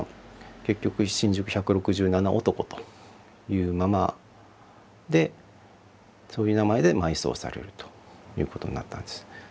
結局「新宿百六十七男」というままでそういう名前で埋葬されるということになったんです。